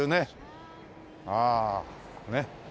ああねっ。